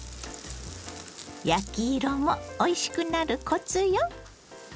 焼き色もおいしくなるコツよ。